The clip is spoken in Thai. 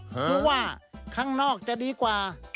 เพราะว่าข้างนอกจะดีกว่า